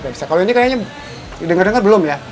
kalau ini kayaknya udah denger denger belum ya